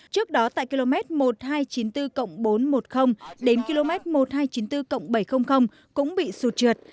trước đó tại km một nghìn hai trăm chín mươi bốn bốn trăm một mươi đến km một nghìn hai trăm chín mươi bốn bảy trăm linh cũng bị sụt trượt